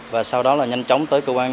và sau đó là nhanh chóng tới cơ quan